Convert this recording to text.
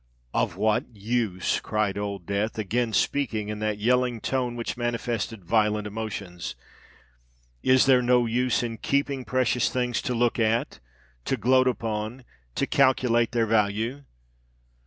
"Of what use?" cried Old Death, again speaking in that yelling tone which manifested violent emotions. "Is there no use in keeping precious things to look at—to gloat upon—to calculate their value?